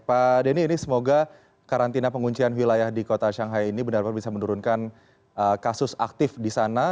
pak denny ini semoga karantina penguncian wilayah di kota shanghai ini benar benar bisa menurunkan kasus aktif di sana